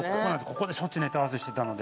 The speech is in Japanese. ここでしょっちゅうネタ合わせしてたので。